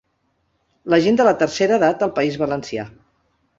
La gent de la tercera edat al País Valencià.